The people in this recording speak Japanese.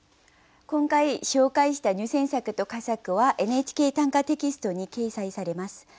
今回紹介した入選作と佳作は「ＮＨＫ短歌」テキストに掲載されます。